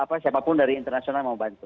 siapapun dari internasional mau bantu